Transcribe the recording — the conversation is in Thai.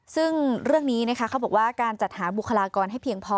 ซึ่งเรื่องนี้นะคะเขาบอกว่าการจัดหาบุคลากรให้เพียงพอ